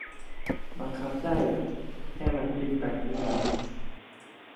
บังคับได้อะ ให้มันกลิ้งไปกลิ้งมา